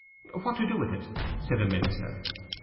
'What to do with it?' said the minister.